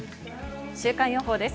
週間予報です。